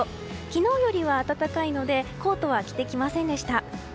昨日よりは暖かいのでコートは着てきませんでした。